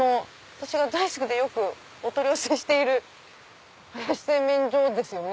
私が大好きでよくお取り寄せしているはやし製麺所ですよね。